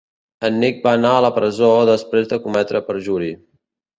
En Nick va anar a la presó després de cometre perjuri.